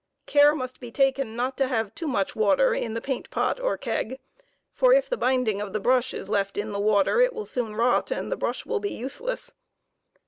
Care must be taken not to have too much water in the paint pot or keg, for if the binding of the brush is left in the water it will soon rot, and the brush will be useless.